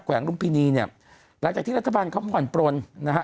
วงลุมพินีเนี่ยหลังจากที่รัฐบาลเขาผ่อนปลนนะฮะ